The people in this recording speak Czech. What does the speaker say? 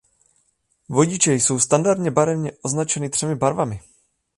Vodiče jsou standardně barevně označeny třemi barvami.